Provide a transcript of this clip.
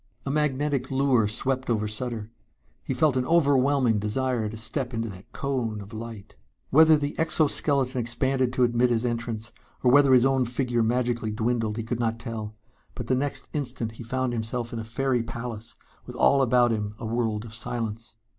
A magnetic lure swept over Sutter. He felt an overwhelming desire to step into that cone of light.... Whether the exoskeleton expanded to admit his entrance or whether his own figure magically dwindled he could not tell, but the next instant he found himself in a fairy palace with all about him a world of silence.